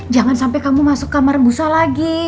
jangan sampai kamu masuk kamar busa lagi